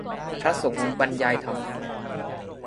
พระสงฆ์บรรยายธรรม